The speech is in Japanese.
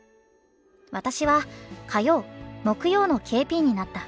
「私は火曜木曜のＫＰになった。